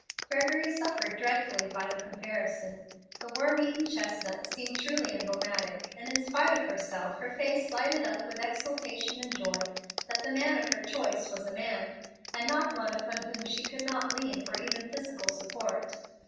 Gregory suffered dreadfully by the comparison. The worm eaten chestnut seemed truly emblematic, and in spite of herself her face lighted up with exultation and joy that the man of her choice was a man, and not one upon whom she could not lean for even physical support.